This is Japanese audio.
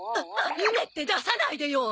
「梅」って出さないでよ！